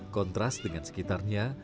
kontras dengan sekitarnya